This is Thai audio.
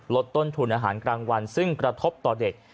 ลดต้นทุนอาหารกลางวันซึ่งกระทบต่อเด็ก